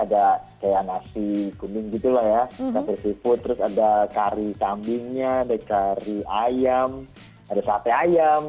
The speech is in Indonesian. ada kayak nasi kuning gitu loh ya ada seafood terus ada kari kambingnya ada kari ayam ada sate ayam